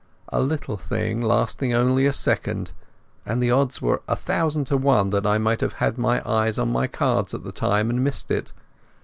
A little thing, lasting only a second, and the odds were a thousand to one that I might have had my eyes on my cards at the time and missed it.